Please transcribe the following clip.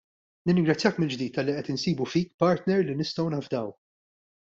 Nirringrazzjak mill-ġdid talli qed insibu fik partner li nistgħu nafdaw.